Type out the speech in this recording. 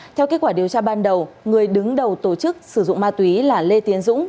theo kết quả điều tra ban đầu người đứng đầu tổ chức sử dụng ma túy là lê tiến dũng